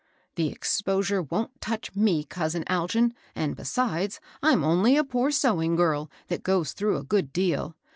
^^ The exposure wont touch ^ne, cousdn Algin ; and besides, I'm only a poor sewing girl that goes through a good deal.